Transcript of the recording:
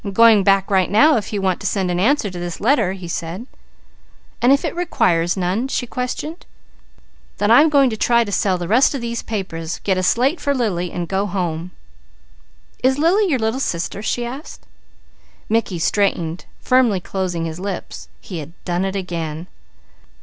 "I'm going back right now, if you want to send an answer to that letter," he said. "And if it requires none?" she questioned. "Then I'm going to try to sell the rest of these papers, get a slate for Lily and go home." "Is Lily your little sister?" she asked. Mickey straightened, firmly closing his lips. He had done it again.